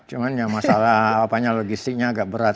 cuma ya masalah logistiknya agak berat